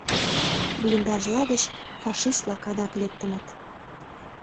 Блиндажла гыч фашист-влак адак лектыныт.